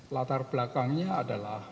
latar belakangnya adalah